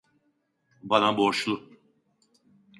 Bana borçlu.